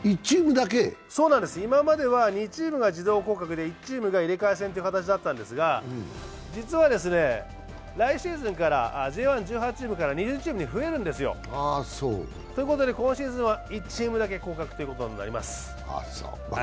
今までは２チームが自動降格で１チームが入れ替え制という形だったんですけれども、実は来シーズンからＪ１・１８チームから２０チームに増えるんですよ。ということで今シーズンは１チームだけ降格ということになります。